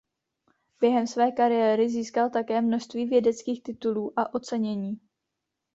Během své kariéry získal také množství vědeckých titulů a ocenění.